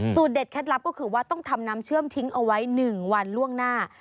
เด็ดเคล็ดลับก็คือว่าต้องทำน้ำเชื่อมทิ้งเอาไว้๑วันล่วงหน้า